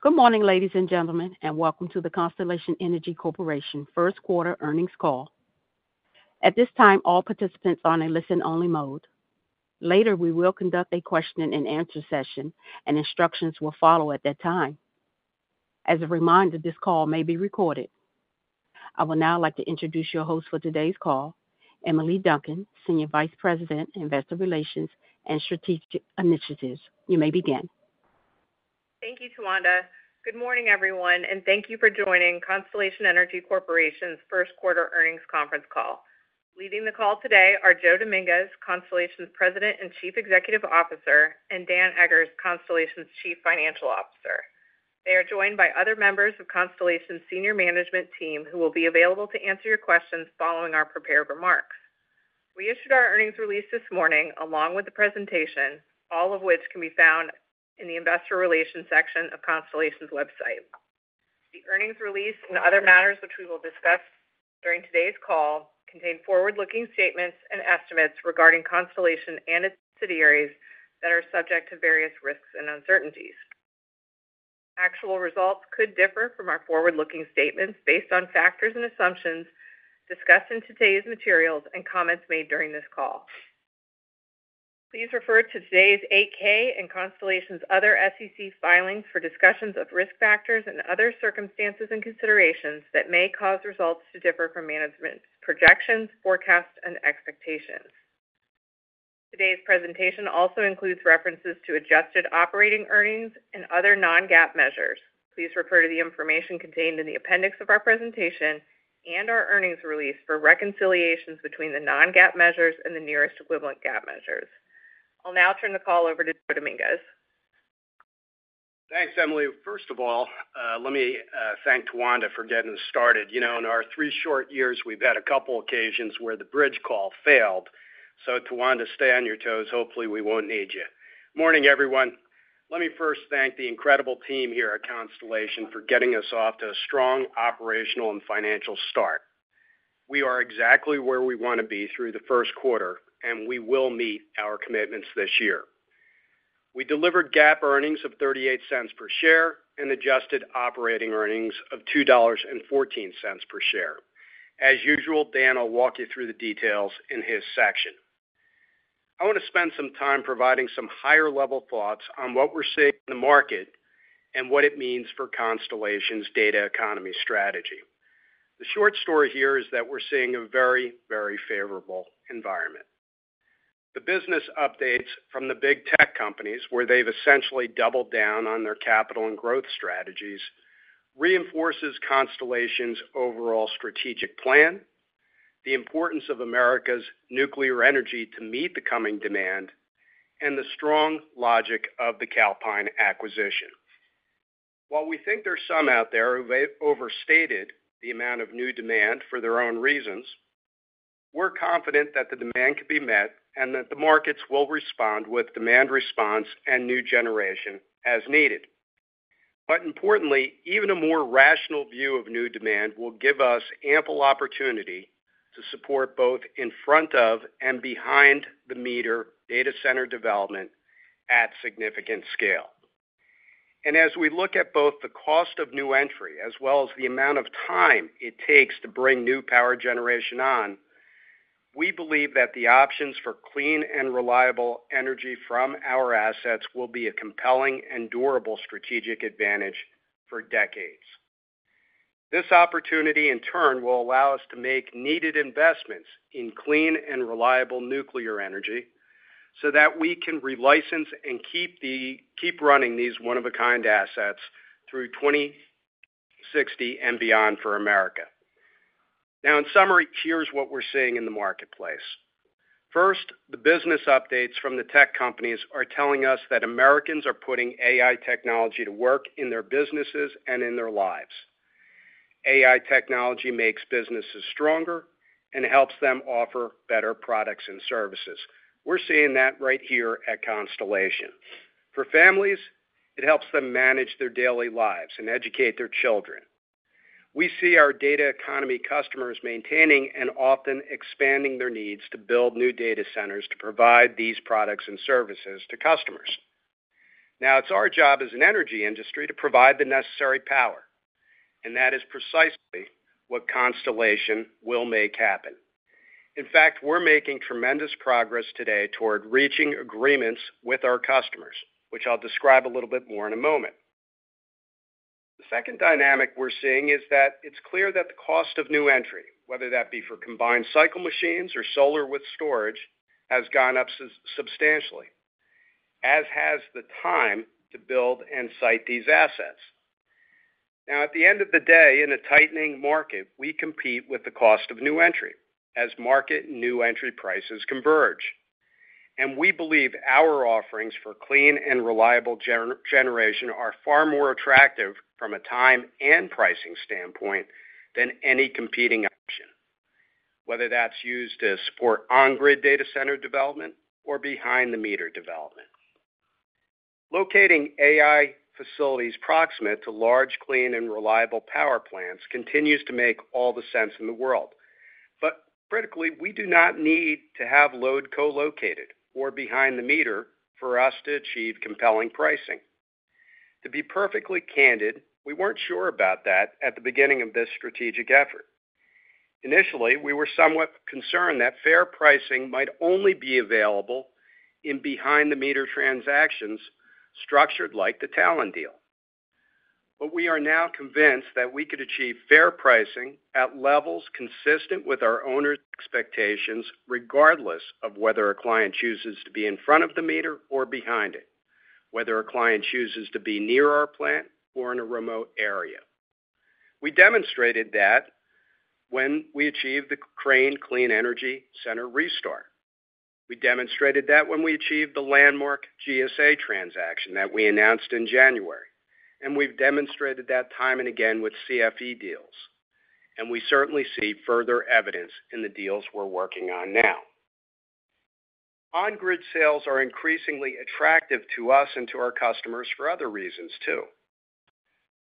Good morning, ladies and gentlemen, and welcome to the Constellation Energy Corporation first-quarter earnings call. At this time, all participants are in a listen-only mode. Later, we will conduct a question-and-answer session, and instructions will follow at that time. As a reminder, this call may be recorded. I would now like to introduce your host for today's call, Emily Duncan, Senior Vice President, Investor Relations and Strategic Initiatives. You may begin. Thank you, Tawanda. Good morning, everyone, and thank you for joining Constellation Energy Corporation's first-quarter earnings conference call. Leading the call today are Joe Dominguez, Constellation's President and Chief Executive Officer, and Dan Eggers, Constellation's Chief Financial Officer. They are joined by other members of Constellation's senior management team who will be available to answer your questions following our prepared remarks. We issued our earnings release this morning along with the presentation, all of which can be found in the Investor Relations section of Constellation's website. The earnings release and other matters which we will discuss during today's call contain forward-looking statements and estimates regarding Constellation and its subsidiaries that are subject to various risks and uncertainties. Actual results could differ from our forward-looking statements based on factors and assumptions discussed in today's materials and comments made during this call. Please refer to today's 8-K and Constellation's other SEC filings for discussions of risk factors and other circumstances and considerations that may cause results to differ from management's projections, forecasts, and expectations. Today's presentation also includes references to adjusted operating earnings and other Non-GAAP measures. Please refer to the information contained in the appendix of our presentation and our earnings release for reconciliations between the Non-GAAP measures and the nearest equivalent GAAP measures. I'll now turn the call over to Joe Dominguez. Thanks, Emily. First of all, let me thank Tawanda for getting us started. In our three short years, we've had a couple of occasions where the bridge call failed. Tawanda, stay on your toes. Hopefully, we won't need you. Morning, everyone. Let me first thank the incredible team here at Constellation for getting us off to a strong operational and financial start. We are exactly where we want to be through the first quarter, and we will meet our commitments this year. We delivered GAAP earnings of $0.38 per share and adjusted operating earnings of $2.14 per share. As usual, Dan will walk you through the details in his section. I want to spend some time providing some higher-level thoughts on what we're seeing in the market and what it means for Constellation's data economy strategy. The short story here is that we're seeing a very, very favorable environment. The business updates from the big tech companies, where they've essentially doubled down on their capital and growth strategies, reinforce Constellation's overall strategic plan, the importance of America's nuclear energy to meet the coming demand, and the strong logic of the Calpine acquisition. While we think there are some out there who have overstated the amount of new demand for their own reasons, we're confident that the demand can be met and that the markets will respond with demand response and new generation as needed. Importantly, even a more rational view of new demand will give us ample opportunity to support both in front of and behind-the-meter data center development at significant scale. As we look at both the cost of new entry as well as the amount of time it takes to bring new power generation on, we believe that the options for clean and reliable energy from our assets will be a compelling and durable strategic advantage for decades. This opportunity, in turn, will allow us to make needed investments in clean and reliable nuclear energy so that we can relicense and keep running these one-of-a-kind assets through 2060 and beyond for America. In summary, here's what we're seeing in the marketplace. First, the business updates from the tech companies are telling us that Americans are putting AI technology to work in their businesses and in their lives. AI technology makes businesses stronger and helps them offer better products and services. We're seeing that right here at Constellation. For families, it helps them manage their daily lives and educate their children. We see our data economy customers maintaining and often expanding their needs to build new data centers to provide these products and services to customers. Now, it's our job as an energy industry to provide the necessary power, and that is precisely what Constellation will make happen. In fact, we're making tremendous progress today toward reaching agreements with our customers, which I'll describe a little bit more in a moment. The second dynamic we're seeing is that it's clear that the cost of new entry, whether that be for combined cycle machines or solar with storage, has gone up substantially, as has the time to build and site these assets. Now, at the end of the day, in a tightening market, we compete with the cost of new entry as market and new entry prices converge. We believe our offerings for clean and reliable generation are far more attractive from a time and pricing standpoint than any competing option, whether that's used to support on-grid data center development or behind-the-meter development. Locating AI facilities proximate to large, clean, and reliable power plants continues to make all the sense in the world. Critically, we do not need to have load co-located or behind-the-meter for us to achieve compelling pricing. To be perfectly candid, we were not sure about that at the beginning of this strategic effort. Initially, we were somewhat concerned that fair pricing might only be available in behind-the-meter transactions structured like the Talon deal. We are now convinced that we could achieve fair pricing at levels consistent with our owners' expectations, regardless of whether a client chooses to be in front of the meter or behind it, whether a client chooses to be near our plant or in a remote area. We demonstrated that when we achieved the Crane Clean Energy Center restore. We demonstrated that when we achieved the landmark GSA transaction that we announced in January. We have demonstrated that time and again with CFE deals. We certainly see further evidence in the deals we are working on now. On-grid sales are increasingly attractive to us and to our customers for other reasons,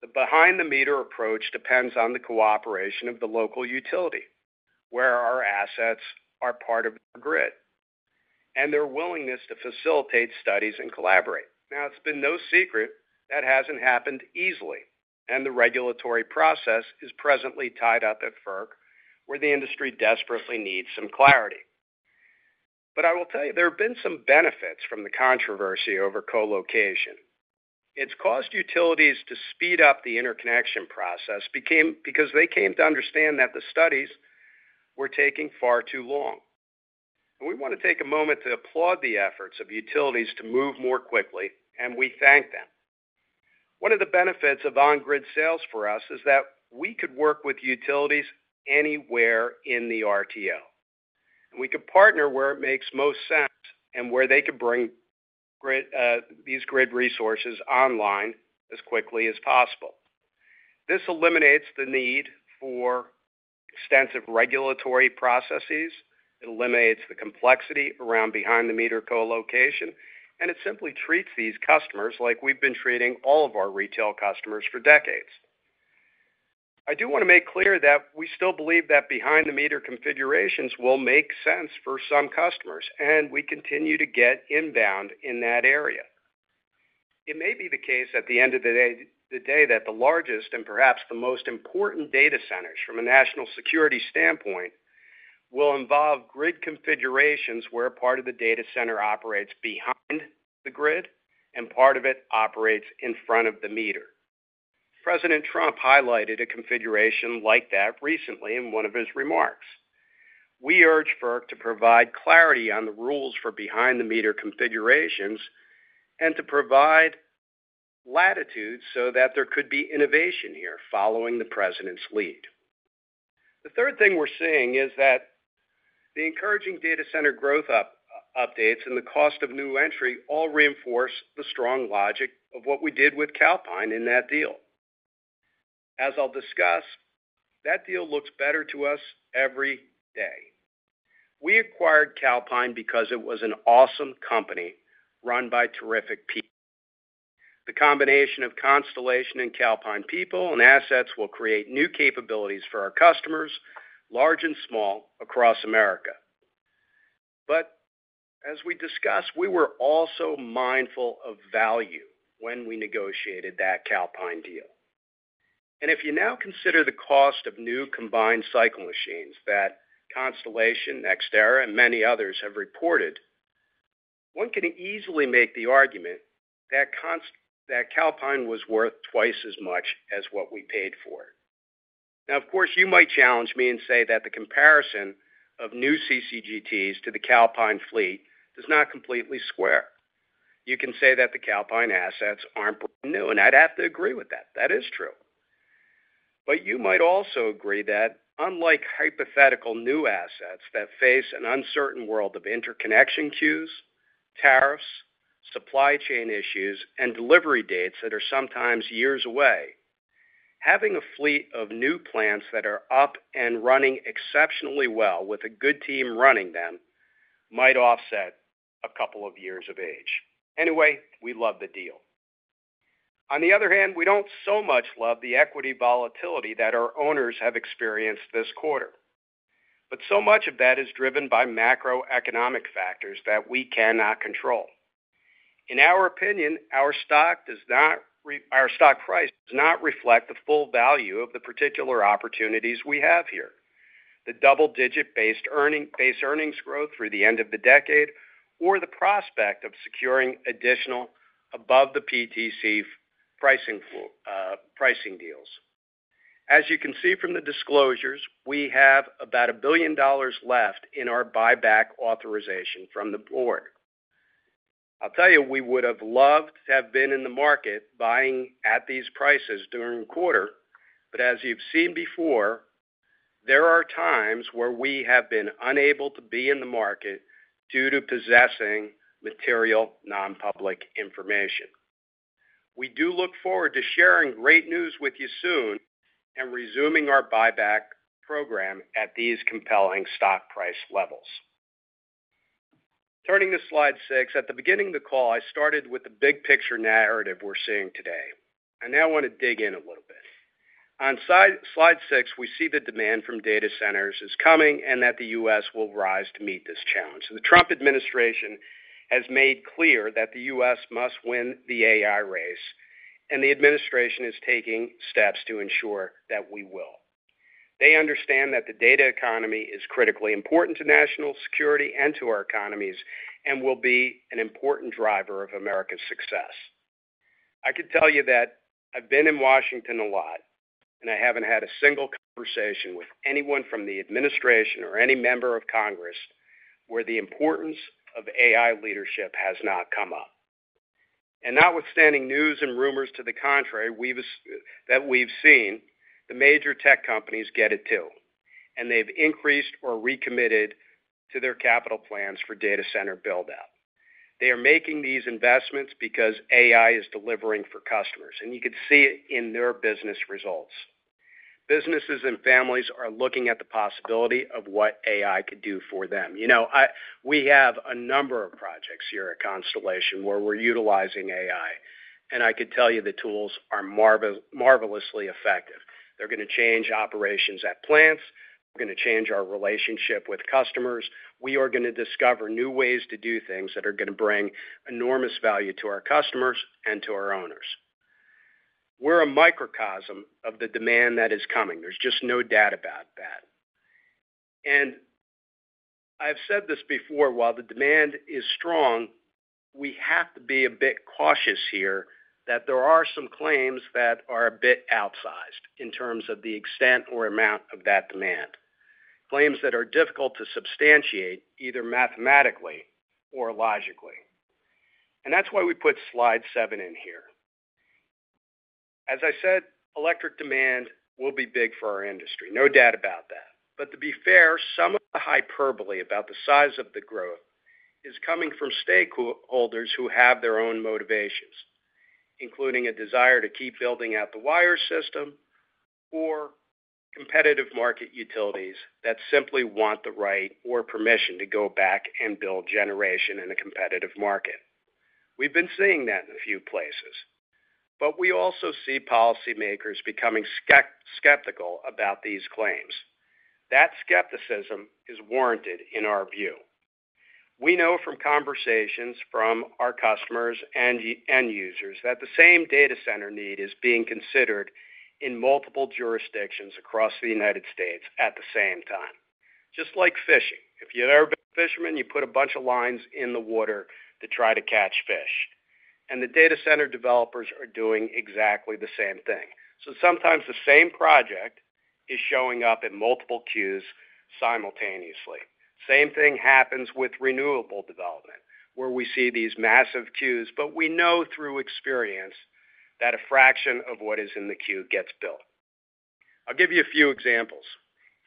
too. The behind-the-meter approach depends on the cooperation of the local utility where our assets are part of the grid and their willingness to facilitate studies and collaborate. Now, it's been no secret that hasn't happened easily, and the regulatory process is presently tied up at FERC, where the industry desperately needs some clarity. I will tell you, there have been some benefits from the controversy over co-location. It's caused utilities to speed up the interconnection process because they came to understand that the studies were taking far too long. We want to take a moment to applaud the efforts of utilities to move more quickly, and we thank them. One of the benefits of on-grid sales for us is that we could work with utilities anywhere in the RTO. We could partner where it makes most sense and where they could bring these grid resources online as quickly as possible. This eliminates the need for extensive regulatory processes. It eliminates the complexity around behind-the-meter co-location, and it simply treats these customers like we've been treating all of our retail customers for decades. I do want to make clear that we still believe that behind-the-meter configurations will make sense for some customers, and we continue to get inbound in that area. It may be the case at the end of the day that the largest and perhaps the most important data centers, from a national security standpoint, will involve grid configurations where part of the data center operates behind the grid and part of it operates in front of the meter. President Trump highlighted a configuration like that recently in one of his remarks. We urge FERC to provide clarity on the rules for behind-the-meter configurations and to provide latitudes so that there could be innovation here following the president's lead. The third thing we're seeing is that the encouraging data center growth updates and the cost of new entry all reinforce the strong logic of what we did with Calpine in that deal. As I'll discuss, that deal looks better to us every day. We acquired Calpine because it was an awesome company run by terrific people. The combination of Constellation and Calpine people and assets will create new capabilities for our customers, large and small, across America. As we discussed, we were also mindful of value when we negotiated that Calpine deal. If you now consider the cost of new combined cycle machines that Constellation, NextEra, and many others have reported, one can easily make the argument that Calpine was worth twice as much as what we paid for it. Now, of course, you might challenge me and say that the comparison of new CCGTs to the Calpine fleet does not completely square. You can say that the Calpine assets aren't brand new, and I'd have to agree with that. That is true. You might also agree that, unlike hypothetical new assets that face an uncertain world of interconnection queues, tariffs, supply chain issues, and delivery dates that are sometimes years away, having a fleet of new plants that are up and running exceptionally well with a good team running them might offset a couple of years of age. Anyway, we love the deal. On the other hand, we don't so much love the equity volatility that our owners have experienced this quarter. So much of that is driven by macroeconomic factors that we cannot control. In our opinion, our stock price does not reflect the full value of the particular opportunities we have here: the double-digit base earnings growth through the end of the decade or the prospect of securing additional above-the-PTC pricing deals. As you can see from the disclosures, we have about $1 billion left in our buyback authorization from the board. I'll tell you, we would have loved to have been in the market buying at these prices during the quarter. As you've seen before, there are times where we have been unable to be in the market due to possessing material non-public information. We do look forward to sharing great news with you soon and resuming our buyback program at these compelling stock price levels. Turning to slide six, at the beginning of the call, I started with the big picture narrative we're seeing today. I now want to dig in a little bit. On slide six, we see the demand from data centers is coming and that the U.S. will rise to meet this challenge. The Trump administration has made clear that the U.S. must win the AI race, and the administration is taking steps to ensure that we will. They understand that the data economy is critically important to national security and to our economies and will be an important driver of America's success. I can tell you that I've been in Washington a lot, and I haven't had a single conversation with anyone from the administration or any member of Congress where the importance of AI leadership has not come up. Notwithstanding news and rumors to the contrary that we've seen, the major tech companies get it too, and they've increased or recommitted to their capital plans for data center build-up. They are making these investments because AI is delivering for customers. You can see it in their business results. Businesses and families are looking at the possibility of what AI could do for them. We have a number of projects here at Constellation where we're utilizing AI. I could tell you the tools are marvelously effective. They're going to change operations at plants. They're going to change our relationship with customers. We are going to discover new ways to do things that are going to bring enormous value to our customers and to our owners. We're a microcosm of the demand that is coming. There's just no doubt about that. I've said this before, while the demand is strong, we have to be a bit cautious here that there are some claims that are a bit outsized in terms of the extent or amount of that demand, claims that are difficult to substantiate either mathematically or logically. That is why we put slide seven in here. As I said, electric demand will be big for our industry, no doubt about that. To be fair, some of the hyperbole about the size of the growth is coming from stakeholders who have their own motivations, including a desire to keep building out the wire system or competitive market utilities that simply want the right or permission to go back and build generation in a competitive market. We have been seeing that in a few places. We also see policymakers becoming skeptical about these claims. That skepticism is warranted in our view. We know from conversations from our customers and users that the same data center need is being considered in multiple jurisdictions across the United States at the same time, just like fishing. If you've ever been a fisherman, you put a bunch of lines in the water to try to catch fish. The data center developers are doing exactly the same thing. Sometimes the same project is showing up in multiple queues simultaneously. The same thing happens with renewable development, where we see these massive queues, but we know through experience that a fraction of what is in the queue gets built. I'll give you a few examples.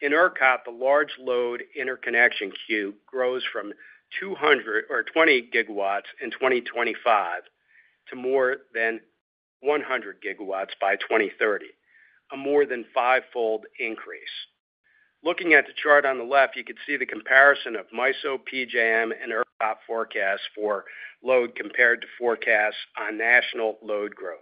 In ERCOT, the large load interconnection queue grows from 20 GW in 2025 to more than 100 GW by 2030, a more than five-fold increase. Looking at the chart on the left, you can see the comparison of MISO, PJM, and ERCOT forecasts for load compared to forecasts on national load growth.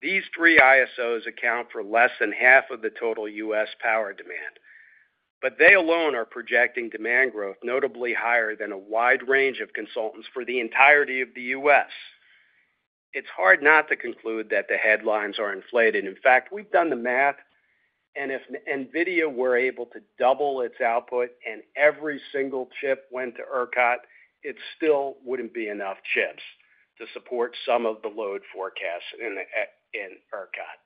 These three ISOs account for less than half of the total U.S. power demand. They alone are projecting demand growth notably higher than a wide range of consultants for the entirety of the U.S. It is hard not to conclude that the headlines are inflated. In fact, we have done the math. If NVIDIA were able to double its output and every single chip went to ERCOT, it still would not be enough chips to support some of the load forecasts in ERCOT.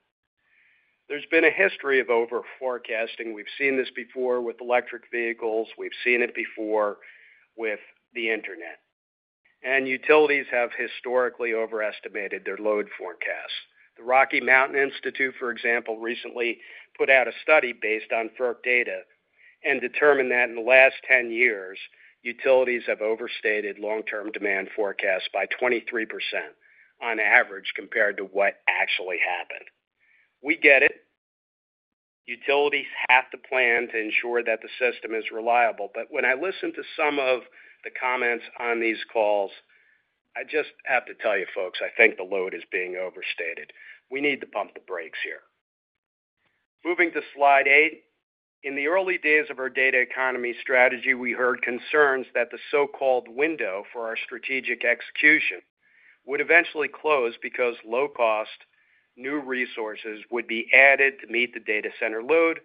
There has been a history of over-forecasting. We have seen this before with electric vehicles. We have seen it before with the internet. Utilities have historically overestimated their load forecasts. The Rocky Mountain Institute, for example, recently put out a study based on FERC data and determined that in the last 10 years, utilities have overstated long-term demand forecasts by 23% on average compared to what actually happened. We get it. Utilities have to plan to ensure that the system is reliable. When I listen to some of the comments on these calls, I just have to tell you, folks, I think the load is being overstated. We need to pump the brakes here. Moving to slide eight. In the early days of our data economy strategy, we heard concerns that the so-called window for our strategic execution would eventually close because low-cost new resources would be added to meet the data center load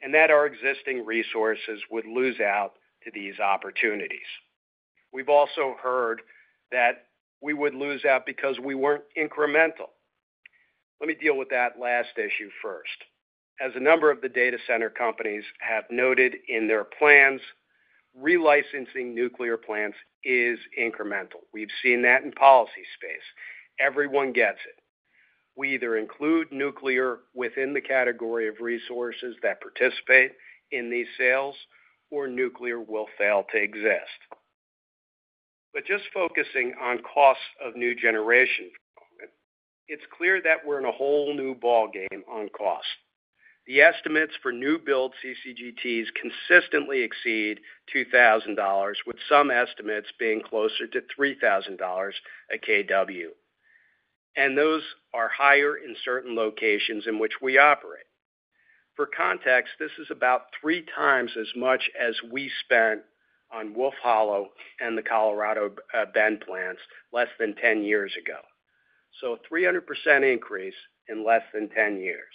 and that our existing resources would lose out to these opportunities. We've also heard that we would lose out because we weren't incremental. Let me deal with that last issue first. As a number of the data center companies have noted in their plans, relicensing nuclear plants is incremental. We've seen that in policy space. Everyone gets it. We either include nuclear within the category of resources that participate in these sales or nuclear will fail to exist. Just focusing on costs of new generation, it's clear that we're in a whole new ballgame on cost. The estimates for new-build CCGTs consistently exceed $2,000, with some estimates being closer to $3,000 a kW. Those are higher in certain locations in which we operate. For context, this is about three times as much as we spent on Wolf Hollow and the Colorado Bend plants less than 10 years ago. A 300% increase in less than 10 years.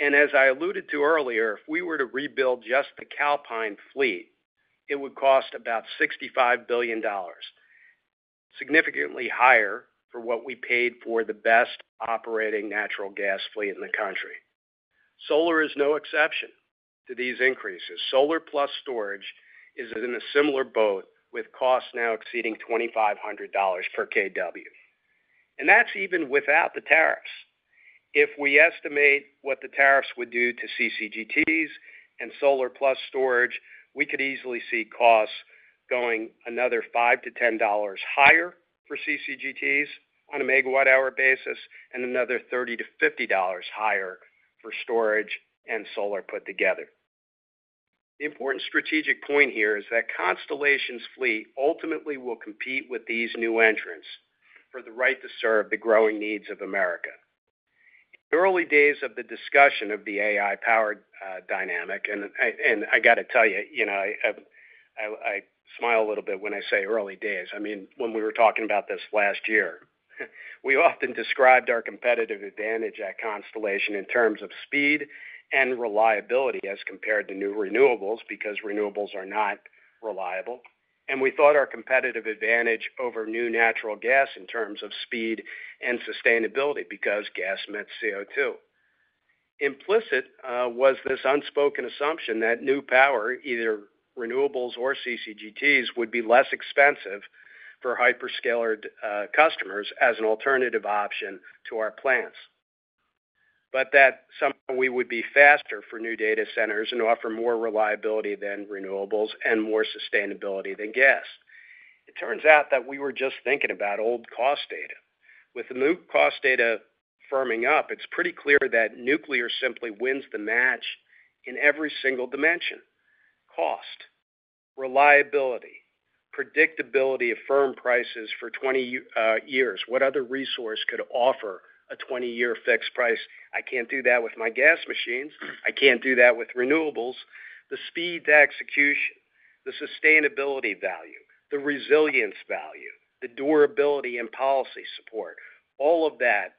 As I alluded to earlier, if we were to rebuild just the Calpine fleet, it would cost about $65 billion, significantly higher for what we paid for the best operating natural gas fleet in the country. Solar is no exception to these increases. Solar plus storage is in a similar boat with costs now exceeding $2,500 per kW. That is even without the tariffs. If we estimate what the tariffs would do to CCGTs and solar plus storage, we could easily see costs going another $5-$10 higher for CCGTs on a megawatt-hour basis and another $30-$50 higher for storage and solar put together. The important strategic point here is that Constellation's fleet ultimately will compete with these new entrants for the right to serve the growing needs of America. In the early days of the discussion of the AI-powered dynamic, and I got to tell you, I smile a little bit when I say early days. I mean, when we were talking about this last year, we often described our competitive advantage at Constellation in terms of speed and reliability as compared to new renewables because renewables are not reliable. I mean, we thought our competitive advantage over new natural gas in terms of speed and sustainability because gas emits CO2. Implicit was this unspoken assumption that new power, either renewables or CCGTs, would be less expensive for hyperscaler customers as an alternative option to our plants. That somehow we would be faster for new data centers and offer more reliability than renewables and more sustainability than gas. It turns out that we were just thinking about old cost data. With the new cost data firming up, it's pretty clear that nuclear simply wins the match in every single dimension: cost, reliability, predictability of firm prices for 20 years. What other resource could offer a 20-year fixed price? I can't do that with my gas machines. I can't do that with renewables. The speed to execution, the sustainability value, the resilience value, the durability and policy support, all of that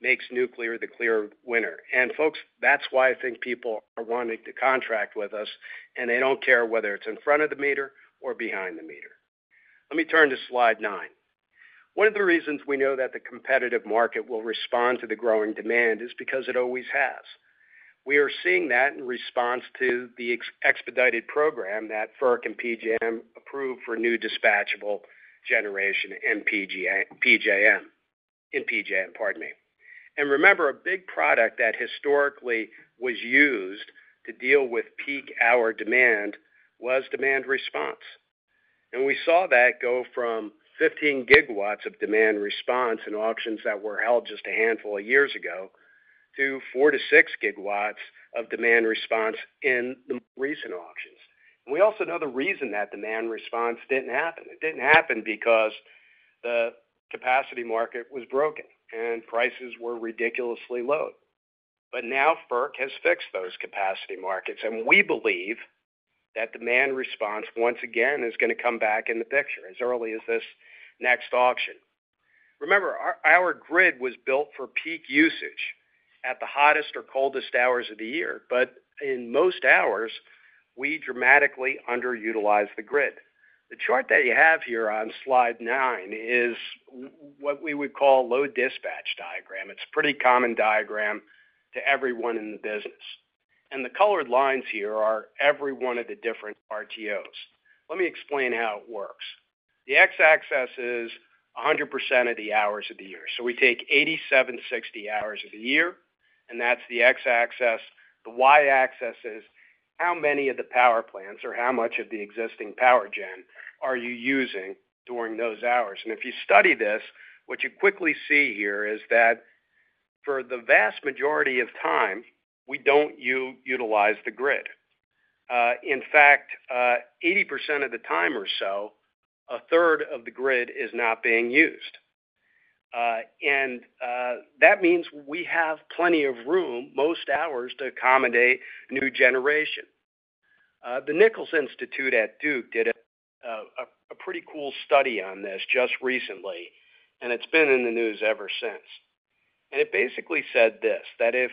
makes nuclear the clear winner. Folks, that's why I think people are wanting to contract with us, and they don't care whether it's in front of the meter or behind the meter. Let me turn to slide nine. One of the reasons we know that the competitive market will respond to the growing demand is because it always has. We are seeing that in response to the expedited program that FERC and PJM approved for new dispatchable generation and PJM, pardon me. Remember, a big product that historically was used to deal with peak-hour demand was demand response. We saw that go from 15 GW of demand response in auctions that were held just a handful of years ago to 4 GW-6 GW of demand response in the recent auctions. We also know the reason that demand response did not happen. It did not happen because the capacity market was broken and prices were ridiculously low. Now FERC has fixed those capacity markets, and we believe that demand response, once again, is going to come back in the picture as early as this next auction. Remember, our grid was built for peak usage at the hottest or coldest hours of the year, but in most hours, we dramatically underutilized the grid. The chart that you have here on slide nine is what we would call a low dispatch diagram. It's a pretty common diagram to everyone in the business. The colored lines here are every one of the different RTOs. Let me explain how it works. The x-axis is 100% of the hours of the year. So we take 8,760 hours of the year, and that's the x-axis. The y-axis is how many of the power plants or how much of the existing power gen are you using during those hours. If you study this, what you quickly see here is that for the vast majority of time, we don't utilize the grid. In fact, 80% of the time or so, a third of the grid is not being used. That means we have plenty of room most hours to accommodate new generation. The Nicholas Institute at Duke did a pretty cool study on this just recently, and it's been in the news ever since. It basically said this: that if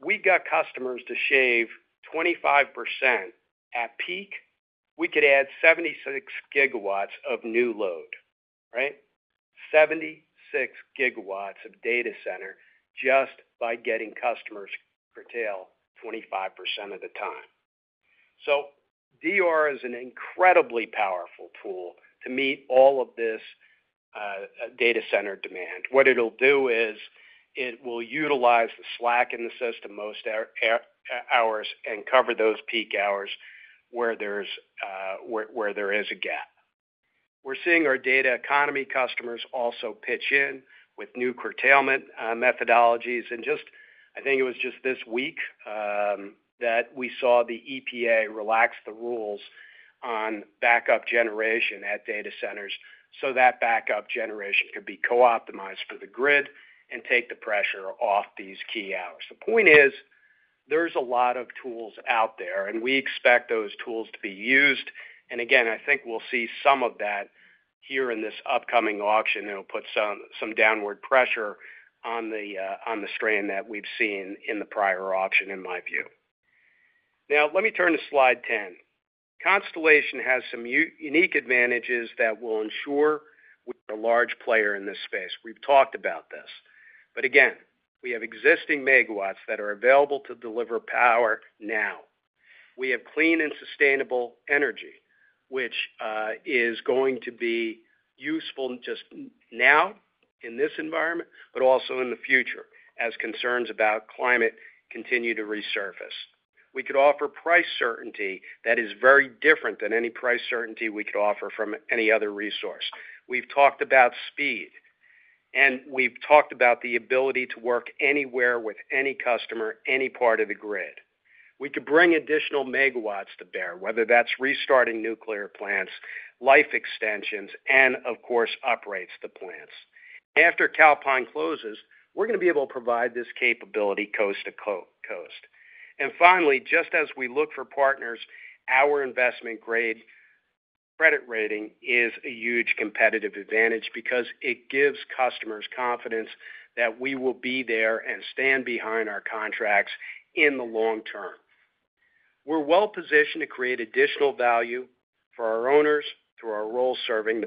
we got customers to shave 25% at peak, we could add 76 GW of new load, right? 76 GW of data center just by getting customers curtailed 25% of the time. DR is an incredibly powerful tool to meet all of this data center demand. What it'll do is it will utilize the slack in the system most hours and cover those peak hours where there is a gap. We're seeing our data economy customers also pitch in with new curtailment methodologies. I think it was just this week that we saw the EPA relax the rules on backup generation at data centers so that backup generation could be co-optimized for the grid and take the pressure off these key hours. The point is, there's a lot of tools out there, and we expect those tools to be used. I think we'll see some of that here in this upcoming auction. It'll put some downward pressure on the strain that we've seen in the prior auction, in my view. Now, let me turn to slide 10. Constellation has some unique advantages that will ensure we're a large player in this space. We've talked about this. We have existing megawatts that are available to deliver power now. We have clean and sustainable energy, which is going to be useful just now in this environment, but also in the future as concerns about climate continue to resurface. We could offer price certainty that is very different than any price certainty we could offer from any other resource. We've talked about speed, and we've talked about the ability to work anywhere with any customer, any part of the grid. We could bring additional megawatts to bear, whether that's restarting nuclear plants, life extensions, and of course, uprates to the plants. After Calpine closes, we're going to be able to provide this capability coast to coast. Finally, just as we look for partners, our investment grade credit rating is a huge competitive advantage because it gives customers confidence that we will be there and stand behind our contracts in the long term. We're well-positioned to create additional value for our owners through our role serving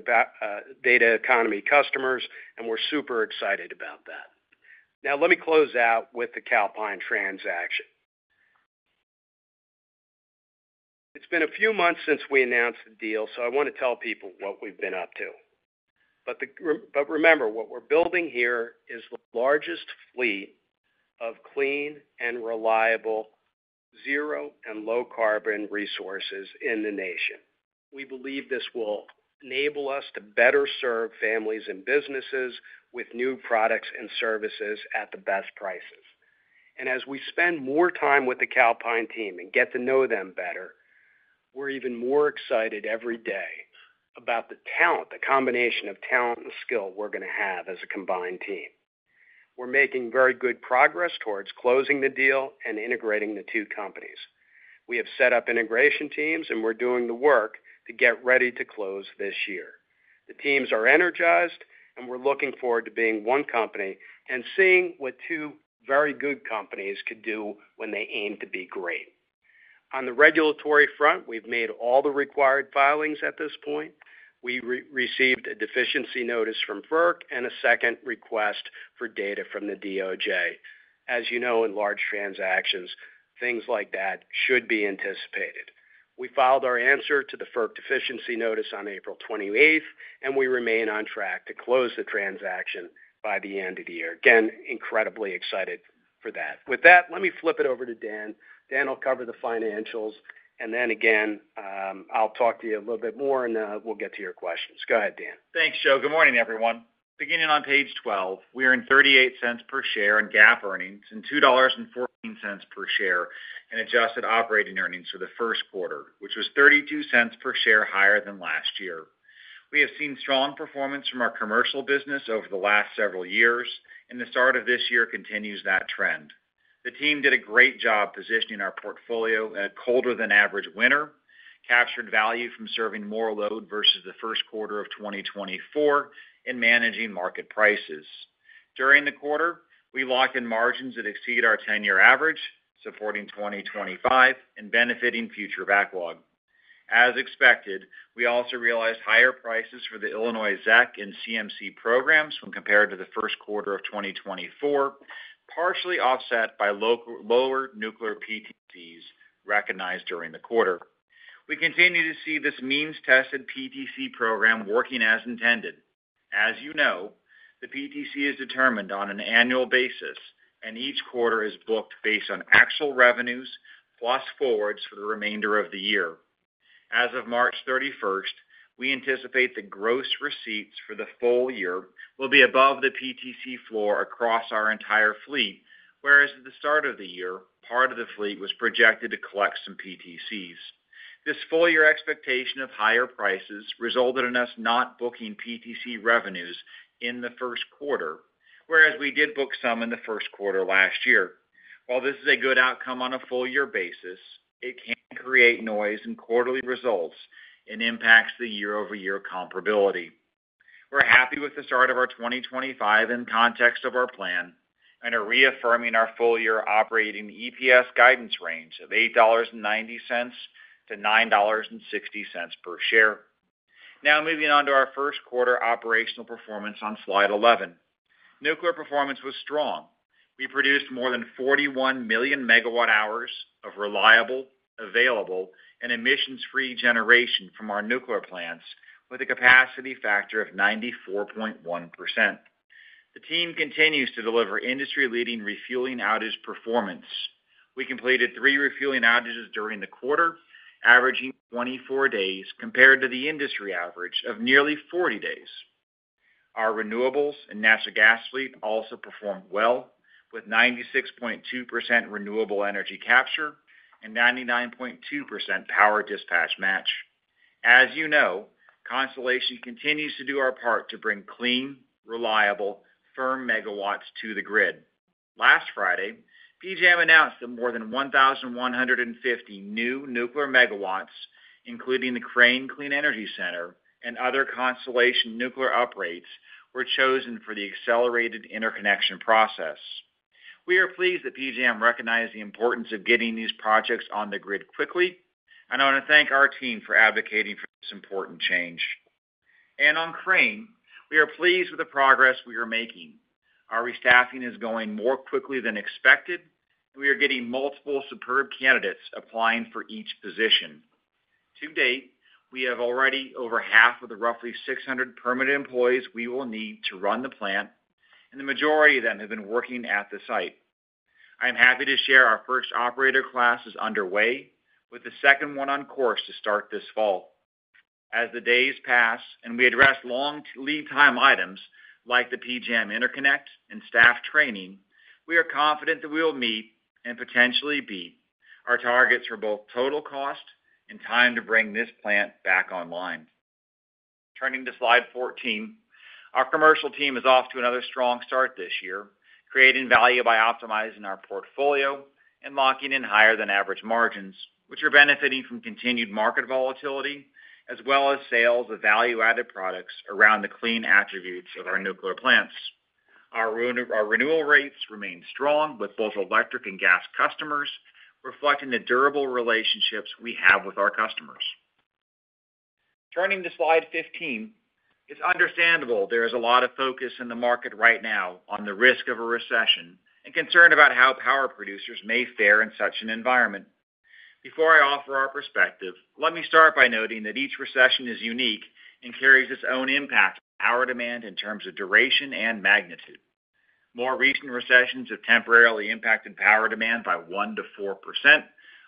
data economy customers, and we're super excited about that. Now, let me close out with the Calpine transaction. It's been a few months since we announced the deal, so I want to tell people what we've been up to. Remember, what we're building here is the largest fleet of clean and reliable zero and low-carbon resources in the nation. We believe this will enable us to better serve families and businesses with new products and services at the best prices. As we spend more time with the Calpine team and get to know them better, we're even more excited every day about the combination of talent and skill we're going to have as a combined team. We're making very good progress towards closing the deal and integrating the two companies. We have set up integration teams, and we're doing the work to get ready to close this year. The teams are energized, and we're looking forward to being one company and seeing what two very good companies could do when they aim to be great. On the regulatory front, we've made all the required filings at this point. We received a deficiency notice from FERC and a second request for data from the DOJ. As you know, in large transactions, things like that should be anticipated. We filed our answer to the FERC deficiency notice on April 28th, and we remain on track to close the transaction by the end of the year. Again, incredibly excited for that. With that, let me flip it over to Dan. Dan will cover the financials, and then again, I'll talk to you a little bit more, and we'll get to your questions. Go ahead, Dan. Thanks, Joe. Good morning, everyone. Beginning on page 12, we are in $0.38 per share in GAAP earnings and $2.14 per share in adjusted operating earnings for the first quarter, which was $0.32 per share higher than last year. We have seen strong performance from our commercial business over the last several years, and the start of this year continues that trend. The team did a great job positioning our portfolio at a colder-than-average winter, captured value from serving more load versus the first quarter of 2024, and managing market prices. During the quarter, we locked in margins that exceed our 10-year average, supporting 2025 and benefiting future backlog. As expected, we also realized higher prices for the Illinois ZEC and CMC programs when compared to the first quarter of 2024, partially offset by lower nuclear PTCs recognized during the quarter. We continue to see this means-tested PTC program working as intended. As you know, the PTC is determined on an annual basis, and each quarter is booked based on actual revenues plus forwards for the remainder of the year. As of March 31, we anticipate the gross receipts for the full year will be above the PTC floor across our entire fleet, whereas at the start of the year, part of the fleet was projected to collect some PTCs. This full-year expectation of higher prices resulted in us not booking PTC revenues in the first quarter, whereas we did book some in the first quarter last year. While this is a good outcome on a full-year basis, it can create noise in quarterly results and impacts the year-over-year comparability. We're happy with the start of our 2025 in context of our plan and are reaffirming our full-year operating EPS guidance range of $8.90-$9.60 per share. Now, moving on to our first quarter operational performance on slide 11. Nuclear performance was strong. We produced more than 41 million MWh of reliable, available, and emissions-free generation from our nuclear plants with a capacity factor of 94.1%. The team continues to deliver industry-leading refueling outage performance. We completed three refueling outages during the quarter, averaging 24 days compared to the industry average of nearly 40 days. Our renewables and natural gas fleet also performed well with 96.2% renewable energy capture and 99.2% power dispatch match. As you know, Constellation continues to do our part to bring clean, reliable, firm megawatts to the grid. Last Friday, PJM announced that more than 1,150 new nuclear megawatts, including the Crane Clean Energy Center and other Constellation nuclear uprates, were chosen for the accelerated interconnection process. We are pleased that PJM recognized the importance of getting these projects on the grid quickly and want to thank our team for advocating for this important change. On Crane, we are pleased with the progress we are making. Our restaffing is going more quickly than expected, and we are getting multiple superb candidates applying for each position. To date, we have already over half of the roughly 600 permanent employees we will need to run the plant, and the majority of them have been working at the site. I am happy to share our first operator class is underway, with the second one on course to start this fall. As the days pass and we address long lead time items like the PJM interconnect and staff training, we are confident that we will meet and potentially beat our targets for both total cost and time to bring this plant back online. Turning to slide 14, our commercial team is off to another strong start this year, creating value by optimizing our portfolio and locking in higher-than-average margins, which are benefiting from continued market volatility as well as sales of value-added products around the clean attributes of our nuclear plants. Our renewal rates remain strong with both electric and gas customers, reflecting the durable relationships we have with our customers. Turning to slide 15, it's understandable there is a lot of focus in the market right now on the risk of a recession and concern about how power producers may fare in such an environment. Before I offer our perspective, let me start by noting that each recession is unique and carries its own impact on power demand in terms of duration and magnitude. More recent recessions have temporarily impacted power demand by 1%-4%,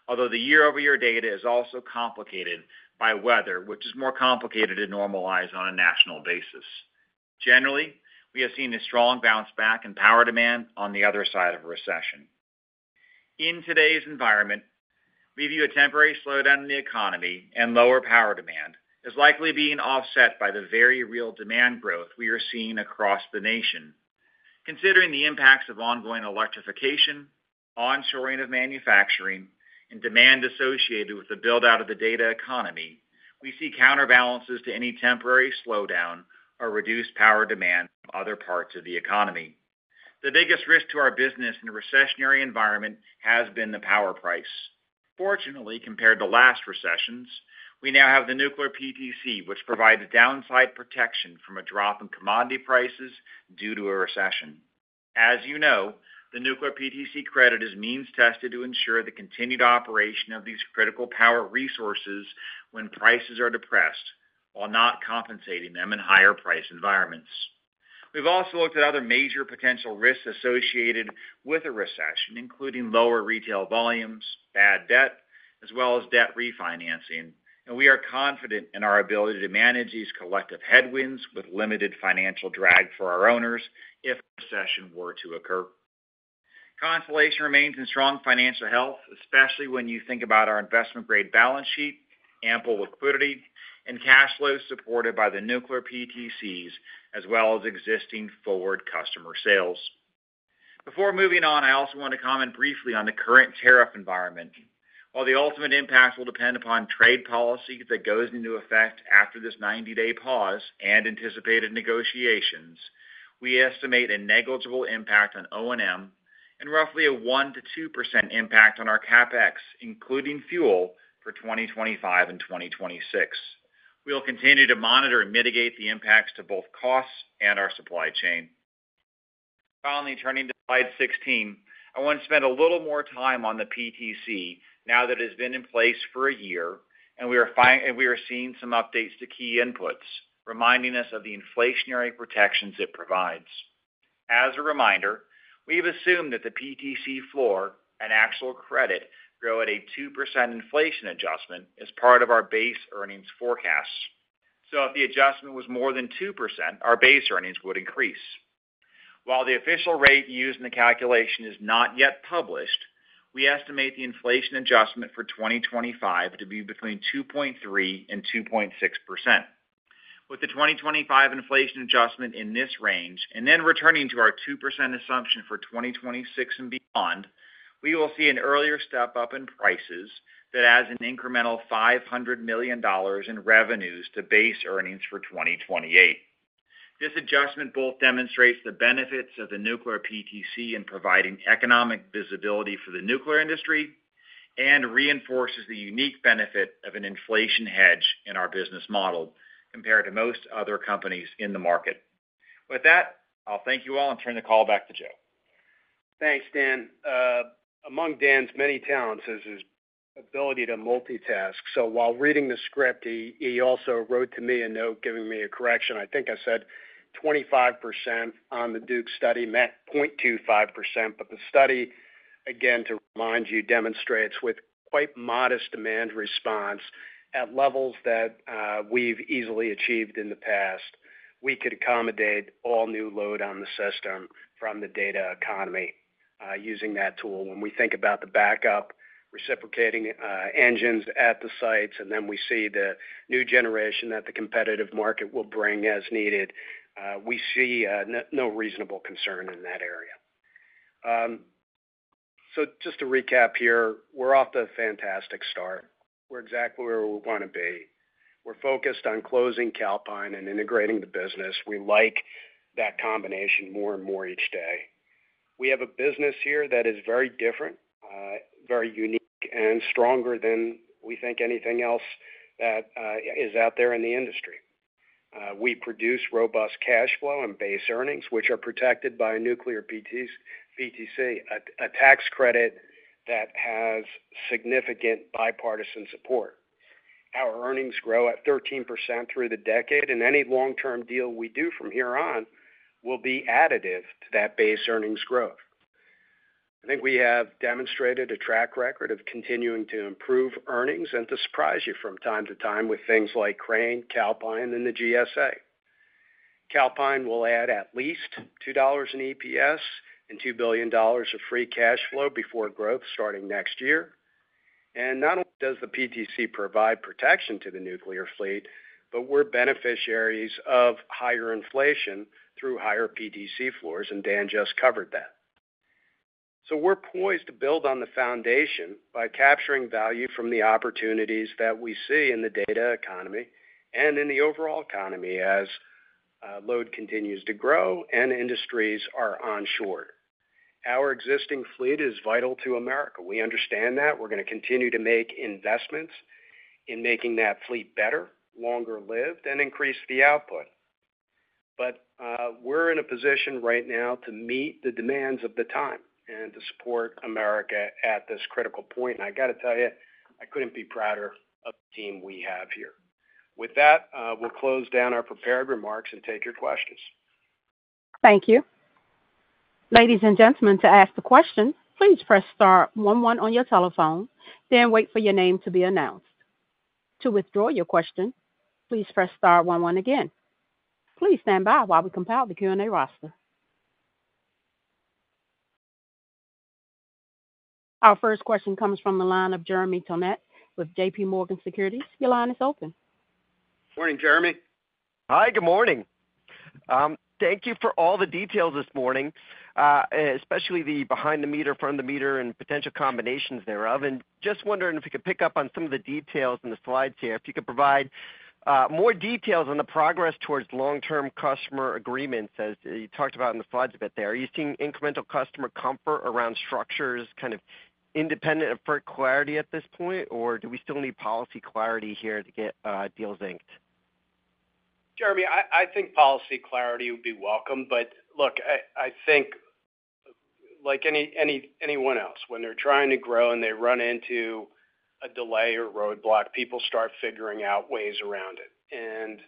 although the year-over-year data is also complicated by weather, which is more complicated to normalize on a national basis. Generally, we have seen a strong bounce back in power demand on the other side of a recession. In today's environment, we view a temporary slowdown in the economy and lower power demand as likely being offset by the very real demand growth we are seeing across the nation. Considering the impacts of ongoing electrification, onshoring of manufacturing, and demand associated with the build-out of the data economy, we see counterbalances to any temporary slowdown or reduced power demand from other parts of the economy. The biggest risk to our business in a recessionary environment has been the power price. Fortunately, compared to last recessions, we now have the nuclear PTC, which provides downside protection from a drop in commodity prices due to a recession. As you know, the nuclear PTC credit is means-tested to ensure the continued operation of these critical power resources when prices are depressed, while not compensating them in higher-priced environments. We've also looked at other major potential risks associated with a recession, including lower retail volumes, bad debt, as well as debt refinancing, and we are confident in our ability to manage these collective headwinds with limited financial drag for our owners if a recession were to occur. Constellation remains in strong financial health, especially when you think about our investment-grade balance sheet, ample liquidity, and cash flows supported by the nuclear PTCs as well as existing forward customer sales. Before moving on, I also want to comment briefly on the current tariff environment. While the ultimate impact will depend upon trade policy that goes into effect after this 90-day pause and anticipated negotiations, we estimate a negligible impact on O&M and roughly a 1%-2% impact on our CapEx, including fuel for 2025 and 2026. We'll continue to monitor and mitigate the impacts to both costs and our supply chain. Finally, turning to slide 16, I want to spend a little more time on the PTC now that it has been in place for a year, and we are seeing some updates to key inputs, reminding us of the inflationary protections it provides. As a reminder, we've assumed that the PTC floor and actual credit grow at a 2% inflation adjustment as part of our base earnings forecast. If the adjustment was more than 2%, our base earnings would increase. While the official rate used in the calculation is not yet published, we estimate the inflation adjustment for 2025 to be between 2.3%-2.6%. With the 2025 inflation adjustment in this range and then returning to our 2% assumption for 2026 and beyond, we will see an earlier step up in prices that adds an incremental $500 million in revenues to base earnings for 2028. This adjustment both demonstrates the benefits of the nuclear PTC in providing economic visibility for the nuclear industry and reinforces the unique benefit of an inflation hedge in our business model compared to most other companies in the market. With that, I'll thank you all and turn the call back to Joe. Thanks, Dan. Among Dan's many talents is his ability to multitask. While reading the script, he also wrote to me a note giving me a correction. I think I said 25% on the Duke study, meant 0.25%, but the study, again, to remind you, demonstrates with quite modest demand response at levels that we've easily achieved in the past. We could accommodate all new load on the system from the data economy using that tool. When we think about the backup, reciprocating engines at the sites, and then we see the new generation that the competitive market will bring as needed, we see no reasonable concern in that area. Just to recap here, we're off to a fantastic start. We're exactly where we want to be. We're focused on closing Calpine and integrating the business. We like that combination more and more each day. We have a business here that is very different, very unique, and stronger than we think anything else that is out there in the industry. We produce robust cash flow and base earnings, which are protected by a nuclear PTC, a tax credit that has significant bipartisan support. Our earnings grow at 13% through the decade, and any long-term deal we do from here on will be additive to that base earnings growth. I think we have demonstrated a track record of continuing to improve earnings and to surprise you from time to time with things like Crane, Calpine, and the GSA. Calpine will add at least $2 in EPS and $2 billion of free cash flow before growth starting next year. Not only does the PTC provide protection to the nuclear fleet, but we're beneficiaries of higher inflation through higher PTC floors, and Dan just covered that. We're poised to build on the foundation by capturing value from the opportunities that we see in the data economy and in the overall economy as load continues to grow and industries are onshored. Our existing fleet is vital to America. We understand that. We're going to continue to make investments in making that fleet better, longer-lived, and increase the output. We are in a position right now to meet the demands of the time and to support America at this critical point. I got to tell you, I couldn't be prouder of the team we have here. With that, we'll close down our prepared remarks and take your questions. Thank you. Ladies and gentlemen, to ask a question, please press star one one on your telephone, then wait for your name to be announced. To withdraw your question, please press star one one again. Please stand by while we compile the Q&A roster. Our first question comes from the line of Jeremy Tonet with J.P. Morgan Securities. Your line is open. Morning, Jeremy. Hi, good morning. Thank you for all the details this morning, especially the behind-the-meter, front-of-the-meter, and potential combinations thereof. Just wondering if you could pick up on some of the details in the slides here. If you could provide more details on the progress towards long-term customer agreements, as you talked about in the slides a bit there. Are you seeing incremental customer comfort around structures kind of independent of firm clarity at this point, or do we still need policy clarity here to get deals inked? Jeremy, I think policy clarity would be welcome. Look, I think like anyone else, when they're trying to grow and they run into a delay or roadblock, people start figuring out ways around it.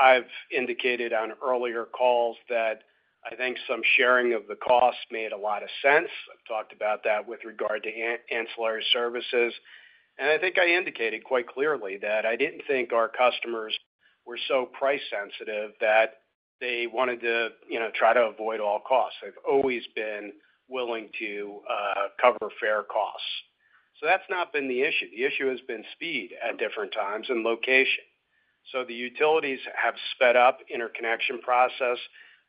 I've indicated on earlier calls that I think some sharing of the cost made a lot of sense. I've talked about that with regard to ancillary services. I think I indicated quite clearly that I didn't think our customers were so price-sensitive that they wanted to try to avoid all costs. They've always been willing to cover fair costs. That's not been the issue. The issue has been speed at different times and location. The utilities have sped up the interconnection process.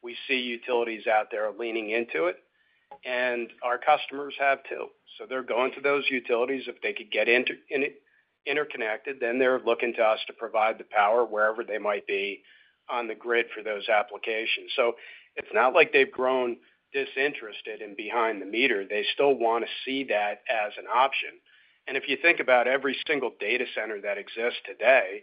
We see utilities out there leaning into it, and our customers have too. They're going to those utilities. If they could get interconnected, then they're looking to us to provide the power wherever they might be on the grid for those applications. It's not like they've grown disinterested in behind-the-meter. They still want to see that as an option. If you think about every single data center that exists today,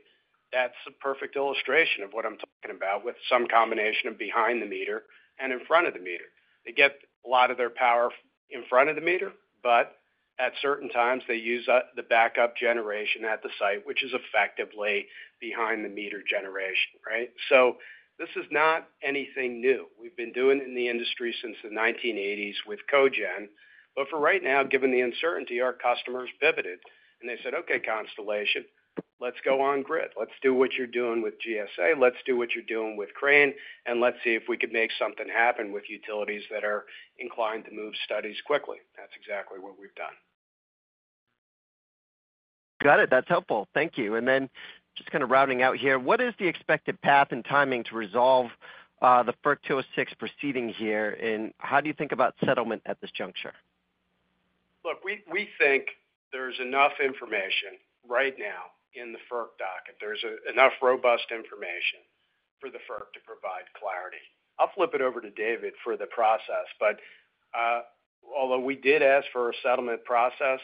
that's a perfect illustration of what I'm talking about with some combination of behind-the-meter and in front-of-the-meter. They get a lot of their power in front-of-the-meter, but at certain times, they use the backup generation at the site, which is effectively behind-the-meter generation, right? This is not anything new. We've been doing it in the industry since the 1980s with Cogen. For right now, given the uncertainty, our customers pivoted, and they said, "Okay, Constellation, let's go on-grid. Let's do what you're doing with GSA. Let's do what you're doing with Crane, and let's see if we could make something happen with utilities that are inclined to move studies quickly. That's exactly what we've done. Got it. That's helpful. Thank you. Just kind of rounding out here, what is the expected path and timing to resolve the FERC 206 proceeding here, and how do you think about settlement at this juncture? Look, we think there's enough information right now in the FERC docket. There's enough robust information for the FERC to provide clarity. I'll flip it over to David for the process. Although we did ask for a settlement process,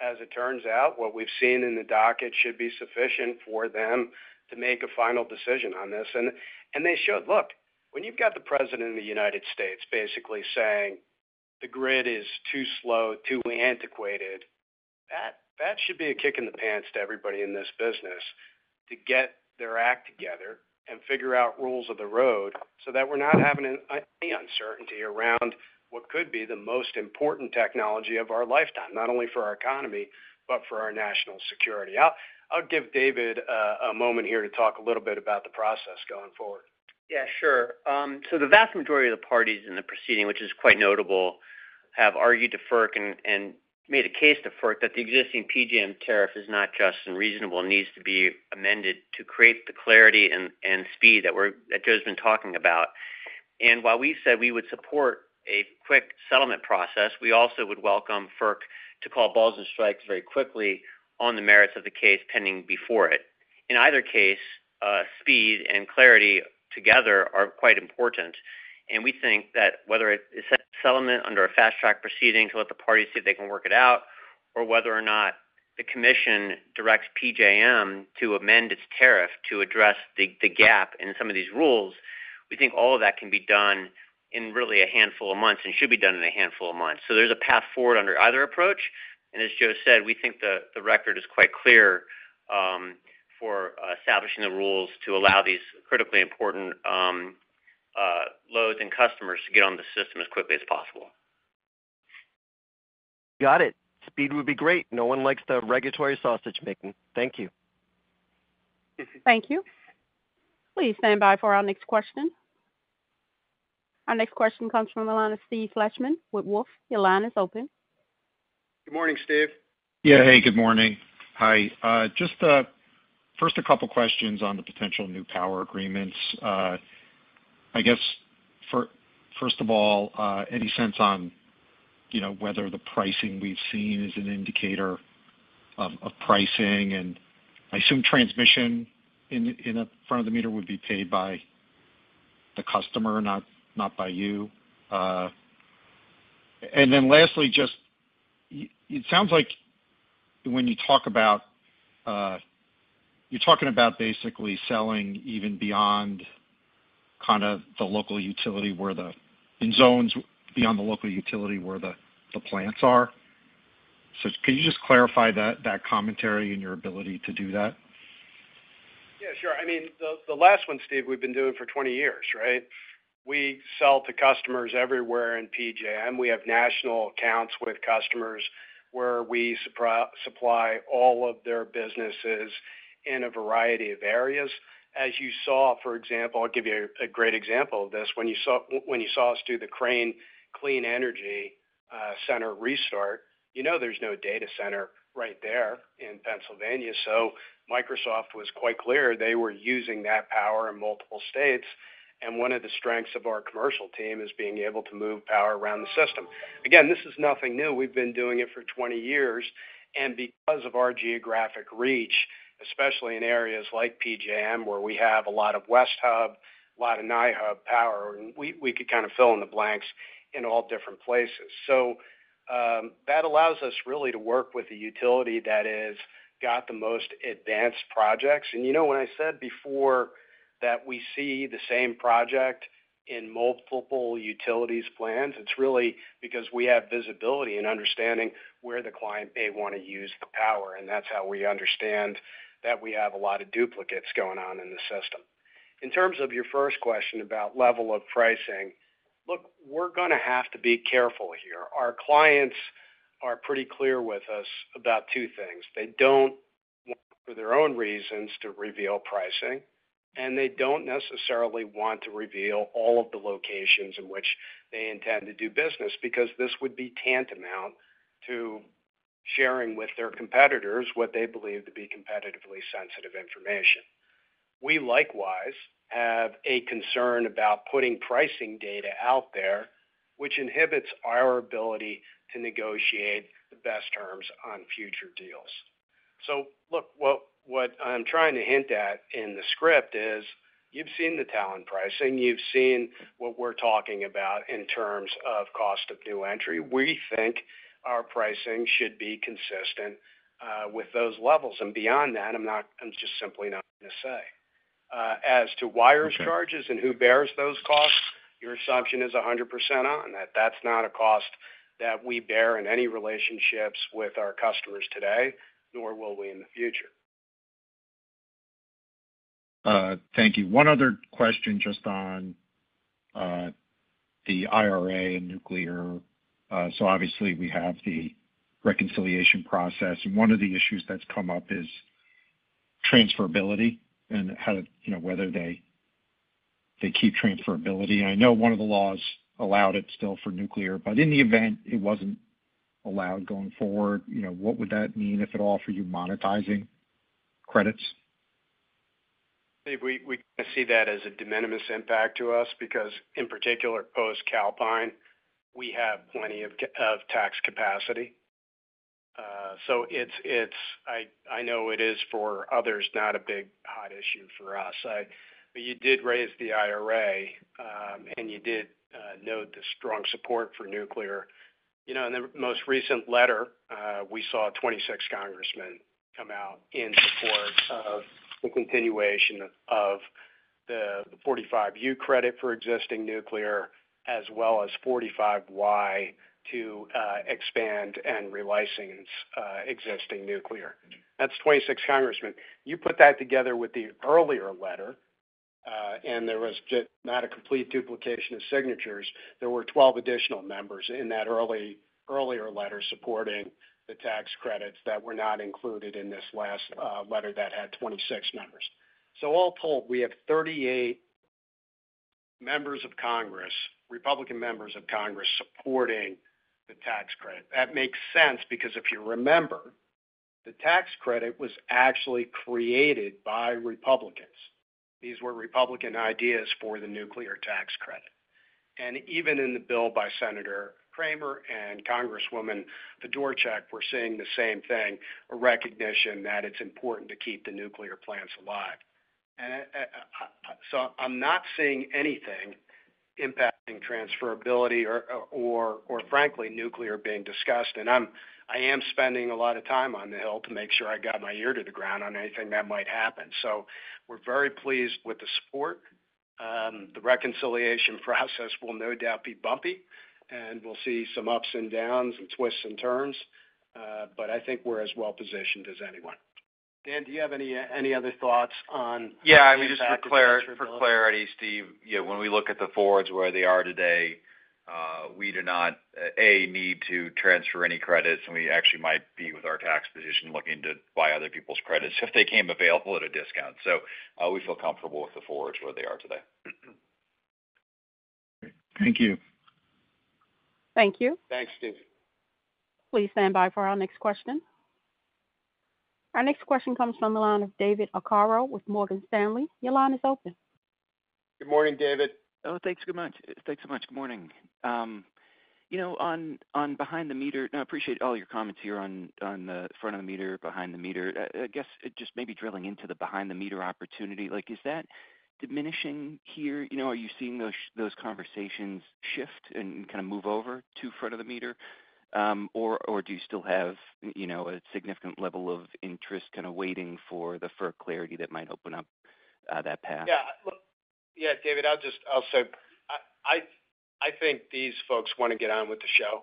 as it turns out, what we've seen in the docket should be sufficient for them to make a final decision on this. They showed, look, when you've got the President of the United States basically saying, "The grid is too slow, too antiquated," that should be a kick in the pants to everybody in this business to get their act together and figure out rules of the road so that we're not having any uncertainty around what could be the most important technology of our lifetime, not only for our economy, but for our national security. I'll give David a moment here to talk a little bit about the process going forward. Yeah, sure. The vast majority of the parties in the proceeding, which is quite notable, have argued to FERC and made a case to FERC that the existing PJM tariff is not just unreasonable and needs to be amended to create the clarity and speed that Joe's been talking about. While we've said we would support a quick settlement process, we also would welcome FERC to call balls and strikes very quickly on the merits of the case pending before it. In either case, speed and clarity together are quite important. We think that whether it's a settlement under a fast-track proceeding to let the parties see if they can work it out, or whether or not the commission directs PJM to amend its tariff to address the gap in some of these rules, we think all of that can be done in really a handful of months and should be done in a handful of months. There's a path forward under either approach. As Joe said, we think the record is quite clear for establishing the rules to allow these critically important loads and customers to get on the system as quickly as possible. Got it. Speed would be great. No one likes the regulatory sausage making. Thank you. Thank you. Please stand by for our next question. Our next question comes from the line of Steve Fleishman with Wolfe. Your line is open. Good morning, Steve. Yeah, hey, good morning. Hi. Just first, a couple of questions on the potential new power agreements. I guess, first of all, any sense on whether the pricing we've seen is an indicator of pricing? I assume transmission in front-of-the-meter would be paid by the customer, not by you. Lastly, just it sounds like when you talk about, you're talking about basically selling even beyond kind of the local utility, where the in zones beyond the local utility where the plants are. Can you just clarify that commentary and your ability to do that? Yeah, sure. I mean, the last one, Steve, we've been doing for 20 years, right? We sell to customers everywhere in PJM. We have national accounts with customers where we supply all of their businesses in a variety of areas. As you saw, for example, I'll give you a great example of this. When you saw us do the Crane Clean Energy Center restart, you know there's no data center right there in Pennsylvania. Microsoft was quite clear. They were using that power in multiple states. One of the strengths of our commercial team is being able to move power around the system. Again, this is nothing new. We've been doing it for 20 years. Because of our geographic reach, especially in areas like PJM where we have a lot of West Hub, a lot of Nighthub power, we could kind of fill in the blanks in all different places. That allows us really to work with the utility that has got the most advanced projects. You know, when I said before that we see the same project in multiple utilities' plans, it's really because we have visibility and understanding where the client may want to use the power. That's how we understand that we have a lot of duplicates going on in the system. In terms of your first question about level of pricing, look, we're going to have to be careful here. Our clients are pretty clear with us about two things. They do not want, for their own reasons, to reveal pricing, and they do not necessarily want to reveal all of the locations in which they intend to do business because this would be tantamount to sharing with their competitors what they believe to be competitively sensitive information. We likewise have a concern about putting pricing data out there, which inhibits our ability to negotiate the best terms on future deals. Look, what I am trying to hint at in the script is you have seen the talent pricing. You have seen what we are talking about in terms of cost of new entry. We think our pricing should be consistent with those levels. Beyond that, I am just simply not going to say. As to wires charges and who bears those costs, your assumption is 100% on that. That's not a cost that we bear in any relationships with our customers today, nor will we in the future. Thank you. One other question just on the IRA and nuclear. Obviously, we have the reconciliation process. One of the issues that's come up is transferability and whether they keep transferability. I know one of the laws allowed it still for nuclear, but in the event it wasn't allowed going forward, what would that mean if at all for you monetizing credits? We see that as a de minimis impact to us because, in particular, post-Calpine, we have plenty of tax capacity. I know it is, for others, not a big hot issue for us. You did raise the IRA, and you did note the strong support for nuclear. In the most recent letter, we saw 26 congressmen come out in support of the continuation of the 45U credit for existing nuclear, as well as 45Y to expand and relicense existing nuclear. That's 26 congressmen. You put that together with the earlier letter, and there was not a complete duplication of signatures. There were 12 additional members in that earlier letter supporting the tax credits that were not included in this last letter that had 26 members. All told, we have 38 members of Congress, Republican members of Congress supporting the tax credit. That makes sense because if you remember, the tax credit was actually created by Republicans. These were Republican ideas for the nuclear tax credit. Even in the bill by Senator Kramer and Congresswoman Fedorchuk, we're seeing the same thing, a recognition that it's important to keep the nuclear plants alive. I'm not seeing anything impacting transferability or, frankly, nuclear being discussed. I am spending a lot of time on the Hill to make sure I have my ear to the ground on anything that might happen. We are very pleased with the support. The reconciliation process will no doubt be bumpy, and we will see some ups and downs and twists and turns. I think we are as well positioned as anyone. Dan, do you have any other thoughts on the transferability? Yeah, I mean, just for clarity, Steve, when we look at the forwards where they are today, we do not, A, need to transfer any credits, and we actually might be, with our tax position, looking to buy other people's credits if they came available at a discount. We feel comfortable with the forwards where they are today. Thank you. Thank you. Thanks, Steve. Please stand by for our next question. Our next question comes from David Arcaro with Morgan Stanley. Your line is open. Good morning, David. Oh, thanks so much. Thanks so much. Good morning. On behind-the-meter, I appreciate all your comments here on the front-of-the-meter, behind-the-meter. I guess just maybe drilling into the behind-the-meter opportunity. Is that diminishing here? Are you seeing those conversations shift and kind of move over to front-of-the-meter, or do you still have a significant level of interest kind of waiting for the FERC clarity that might open up that path? Yeah. Look, yeah, David, I'll say I think these folks want to get on with the show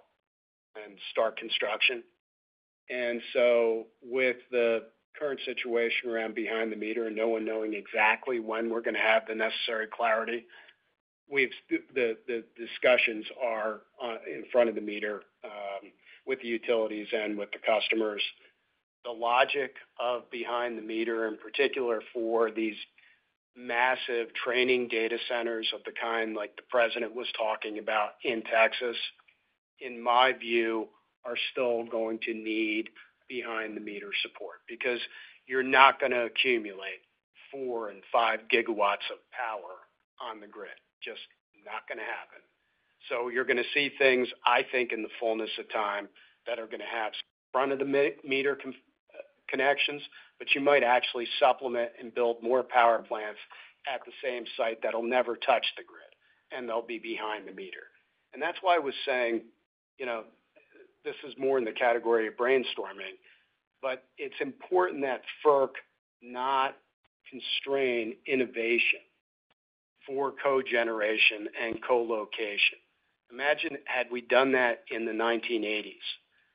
and start construction. And so with the current situation around behind-the-meter and no one knowing exactly when we're going to have the necessary clarity, the discussions are in front-of-the-meter with the utilities and with the customers. The logic of behind-the-meter, in particular, for these massive training data centers of the kind like the president was talking about in Texas, in my view, are still going to need behind-the-meter support because you're not going to accumulate four and five GW of power on the grid. Just not going to happen. You are going to see things, I think, in the fullness of time that are going to have front-of-the-meter connections, but you might actually supplement and build more power plants at the same site that'll never touch the grid, and they'll be behind-the-meter. That is why I was saying this is more in the category of brainstorming, but it's important that FERC not constrain innovation for cogeneration and colocation. Imagine had we done that in the 1980s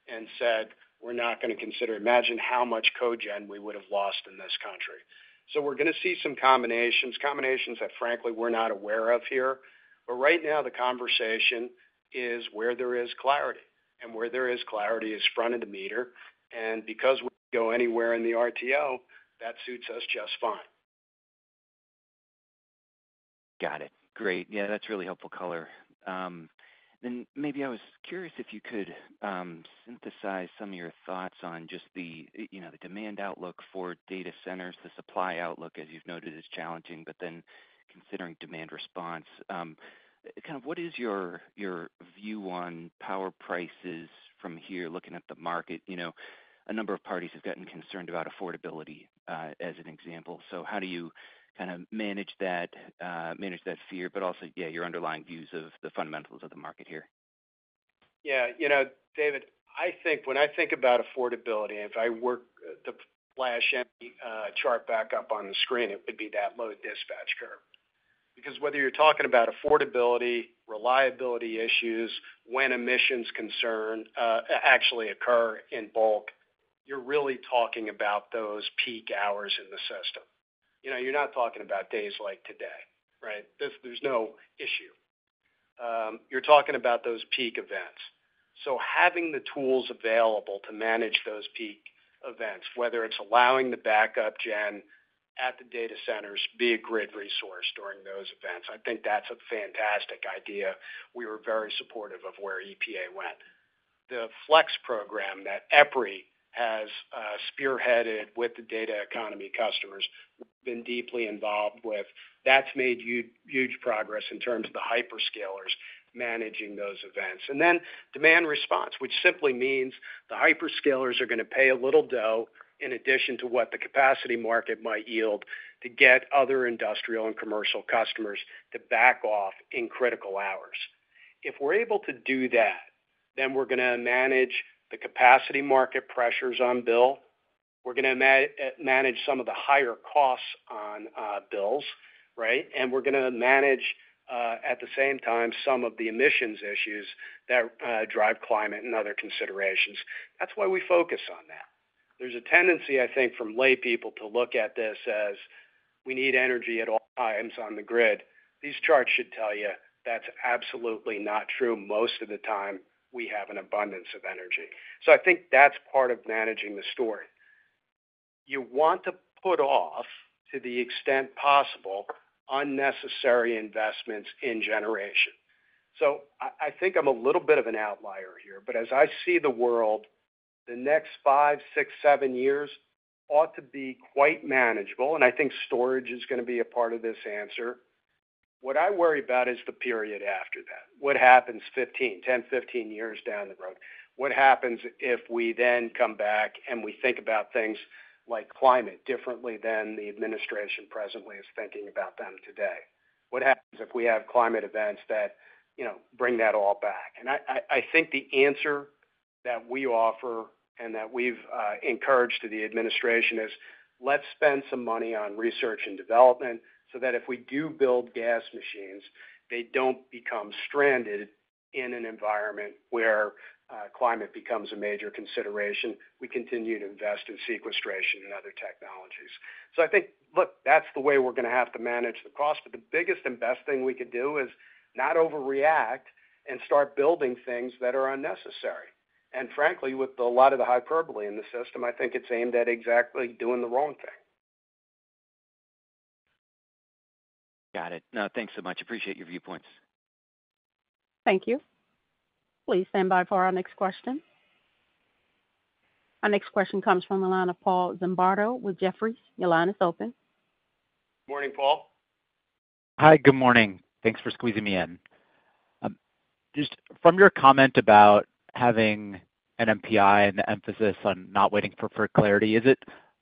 and said, "We're not going to consider." Imagine how much cogen we would have lost in this country. We're going to see some combinations, combinations that, frankly, we're not aware of here. Right now, the conversation is where there is clarity. Where there is clarity is front-of-the-meter. Because we don't go anywhere in the RTO, that suits us just fine. Got it. Great. Yeah, that's really helpful color. Maybe I was curious if you could synthesize some of your thoughts on just the demand outlook for data centers. The supply outlook, as you've noted, is challenging, but then considering demand response, kind of what is your view on power prices from here, looking at the market? A number of parties have gotten concerned about affordability as an example. How do you kind of manage that fear, but also, yeah, your underlying views of the fundamentals of the market here? Yeah. David, I think when I think about affordability, if I work the Flash Emmy chart back up on the screen, it would be that low dispatch curve. Because whether you're talking about affordability, reliability issues, when emissions concern actually occur in bulk, you're really talking about those peak hours in the system. You're not talking about days like today, right? There's no issue. You're talking about those peak events. Having the tools available to manage those peak events, whether it's allowing the backup gen at the data centers to be a grid resource during those events, I think that's a fantastic idea. We were very supportive of where EPA went. The Flex program that EPRI has spearheaded with the data economy customers, been deeply involved with, that's made huge progress in terms of the hyperscalers managing those events. Demand response, which simply means the hyperscalers are going to pay a little dough in addition to what the capacity market might yield to get other industrial and commercial customers to back off in critical hours. If we're able to do that, then we're going to manage the capacity market pressures on bill. We're going to manage some of the higher costs on bills, right? And we're going to manage, at the same time, some of the emissions issues that drive climate and other considerations. That's why we focus on that. There's a tendency, I think, from laypeople to look at this as we need energy at all times on the grid. These charts should tell you that's absolutely not true. Most of the time, we have an abundance of energy. I think that's part of managing the story. You want to put off, to the extent possible, unnecessary investments in generation. I think I'm a little bit of an outlier here, but as I see the world, the next five, six, seven years ought to be quite manageable. I think storage is going to be a part of this answer. What I worry about is the period after that. What happens 10, 15 years down the road? What happens if we then come back and we think about things like climate differently than the administration presently is thinking about them today? What happens if we have climate events that bring that all back? I think the answer that we offer and that we've encouraged to the administration is let's spend some money on research and development so that if we do build gas machines, they don't become stranded in an environment where climate becomes a major consideration. We continue to invest in sequestration and other technologies. I think, look, that's the way we're going to have to manage the cost. The biggest and best thing we could do is not overreact and start building things that are unnecessary. Frankly, with a lot of the hyperbole in the system, I think it's aimed at exactly doing the wrong thing. Got it. No, thanks so much. Appreciate your viewpoints. Thank you. Please stand by for our next question. Our next question comes from the line of Paul Zimbardo with Jefferies. Your line is open. Morning, Paul. Hi, good morning. Thanks for squeezing me in. Just from your comment about having an MPI and the emphasis on not waiting for FERC clarity, is it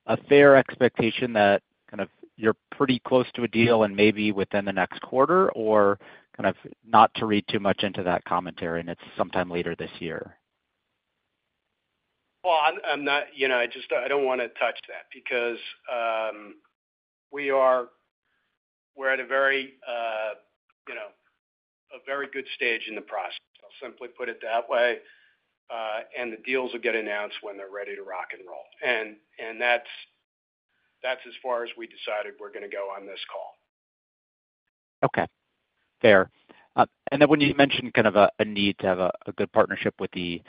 a fair expectation that kind of you're pretty close to a deal and maybe within the next quarter, or kind of not to read too much into that commentary and it's sometime later this year? I'm not I don't want to touch that because we are at a very good stage in the process. I'll simply put it that way. The deals will get announced when they're ready to rock and roll. That's as far as we decided we're going to go on this call. Fair. When you mentioned kind of a need to have a good partnership with the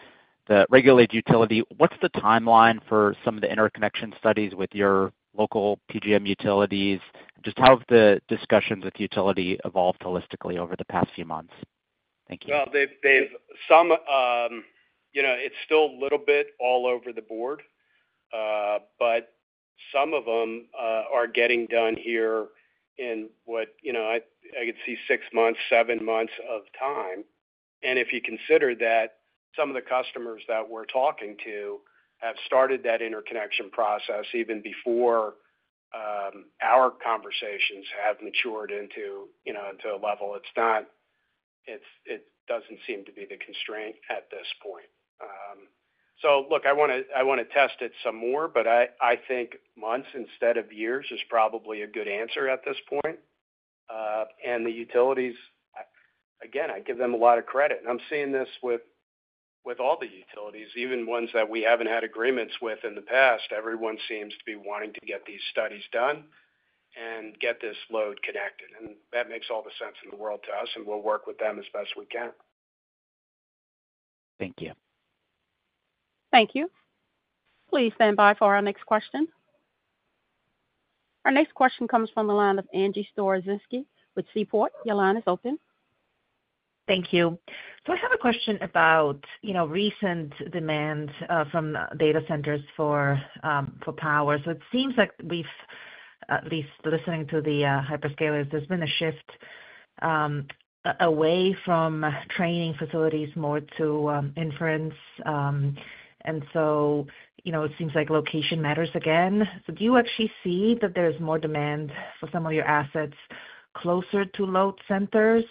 regulated utility, what's the timeline for some of the interconnection studies with your local PJM utilities? Just how have the discussions with utility evolved holistically over the past few months? Thank you. They've some, it's still a little bit all over the board, but some of them are getting done here in what I could see six months, seven months of time. If you consider that some of the customers that we're talking to have started that interconnection process even before our conversations have matured into a level, it doesn't seem to be the constraint at this point. I want to test it some more, but I think months instead of years is probably a good answer at this point. The utilities, again, I give them a lot of credit. I'm seeing this with all the utilities, even ones that we haven't had agreements with in the past. Everyone seems to be wanting to get these studies done and get this load connected. That makes all the sense in the world to us, and we'll work with them as best we can. Thank you. Thank you. Please stand by for our next question. Our next question comes from Angie Storozynski with Seaport. Your line is open. Thank you. I have a question about recent demands from data centers for power. It seems like we've, at least listening to the hyperscalers, there's been a shift away from training facilities more to inference. It seems like location matters again. Do you actually see that there's more demand for some of your assets closer to load centers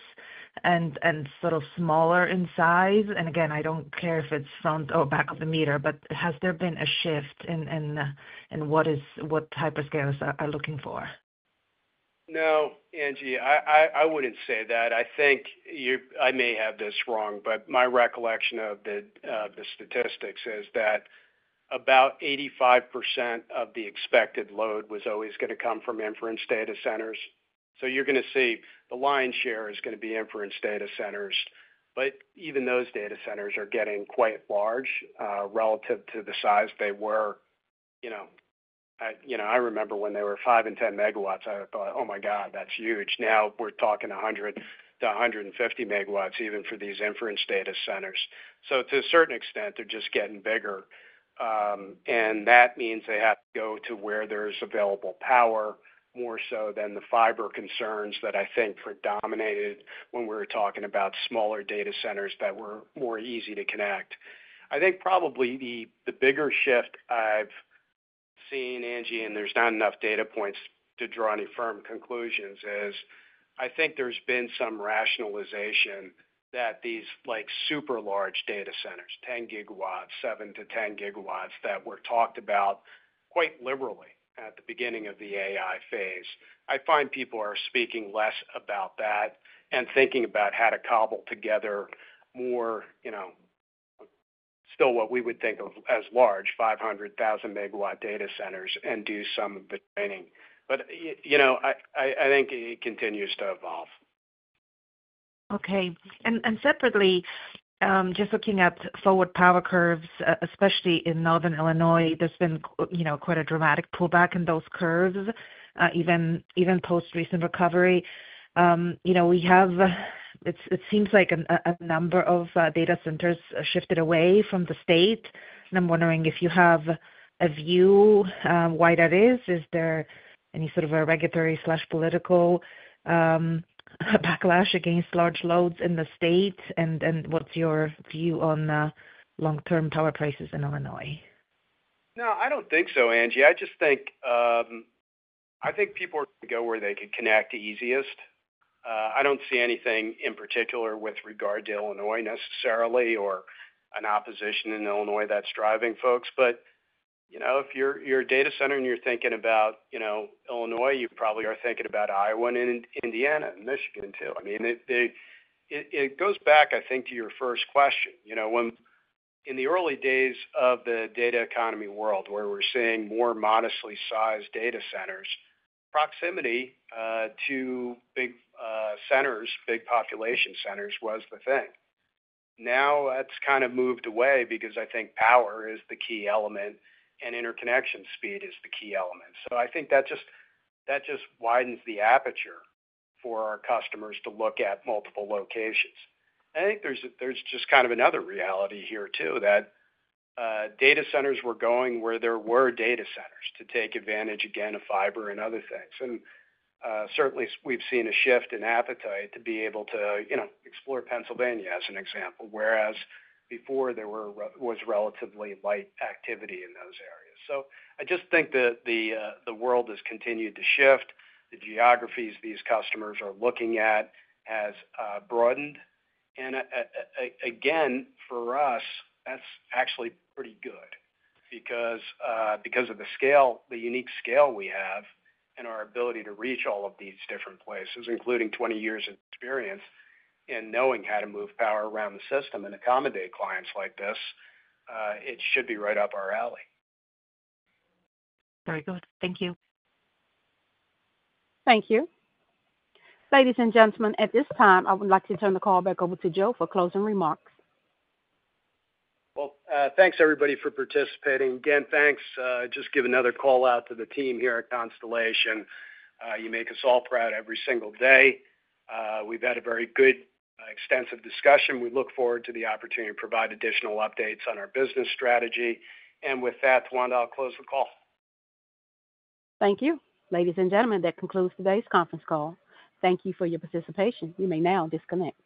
and sort of smaller in size? I do not care if it is front or back of the meter, but has there been a shift in what hyperscalers are looking for? No, Angie, I would not say that. I think I may have this wrong, but my recollection of the statistics is that about 85% of the expected load was always going to come from inference data centers. You are going to see the lion's share is going to be inference data centers. Even those data centers are getting quite large relative to the size they were. I remember when they were 5 MW and 10 MW, I thought, "Oh my God, that is huge." Now we are talking 100 MW-150 MW even for these inference data centers. To a certain extent, they are just getting bigger. That means they have to go to where there is available power more so than the fiber concerns that I think predominated when we were talking about smaller data centers that were more easy to connect. I think probably the bigger shift I have seen, Angie, and there is not enough data points to draw any firm conclusions, is I think there has been some rationalization that these super large data centers, 10 GW, 7 GW-10 GW that were talked about quite liberally at the beginning of the AI phase. I find people are speaking less about that and thinking about how to cobble together more still what we would think of as large, 500,000 MW data centers and do some of the training. I think it continues to evolve. Okay. Separately, just looking at forward power curves, especially in Northern Illinois, there's been quite a dramatic pullback in those curves even post-recent recovery. We have, it seems like, a number of data centers shifted away from the state. I'm wondering if you have a view why that is. Is there any sort of a regulatory/political backlash against large loads in the state? What's your view on long-term power prices in Illinois? No, I don't think so, Angie. I just think people are going to go where they can connect easiest. I don't see anything in particular with regard to Illinois necessarily or an opposition in Illinois that's driving folks. If you're a data center and you're thinking about Illinois, you probably are thinking about Iowa and Indiana and Michigan too. I mean, it goes back, I think, to your first question. In the early days of the data economy world, where we're seeing more modestly sized data centers, proximity to big centers, big population centers was the thing. Now that's kind of moved away because I think power is the key element and interconnection speed is the key element. I think that just widens the aperture for our customers to look at multiple locations. I think there's just kind of another reality here too that data centers were going where there were data centers to take advantage, again, of fiber and other things. Certainly, we've seen a shift in appetite to be able to explore Pennsylvania as an example, whereas before there was relatively light activity in those areas. I just think that the world has continued to shift. The geographies these customers are looking at has broadened. Again, for us, that's actually pretty good because of the unique scale we have and our ability to reach all of these different places, including 20 years of experience in knowing how to move power around the system and accommodate clients like this. It should be right up our alley. Very good. Thank you. Thank you. Ladies and gentlemen, at this time, I would like to turn the call back over to Joe for closing remarks. Thanks everybody for participating. Again, thanks. Just give another call out to the team here at Constellation. You make us all proud every single day. We've had a very good, extensive discussion. We look forward to the opportunity to provide additional updates on our business strategy. With that, line, I'll close the call. Thank you. Ladies and gentlemen, that concludes today's conference call. Thank you for your participation. You may now disconnect.